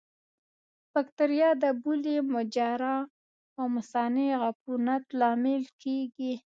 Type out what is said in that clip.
بکتریا د بولي مجرا او مثانې عفونت لامل کېږي.